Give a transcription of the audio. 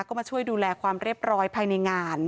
ก็มาช่วยดูแลความเรียบร้อยภายในงาน